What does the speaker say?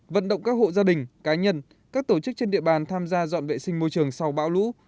vận động các hộ gia đình cá nhân các tổ chức trên địa bàn tham gia dọn vệ sinh môi trường sau bão lũ